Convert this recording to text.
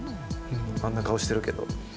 あんな顔してるけど。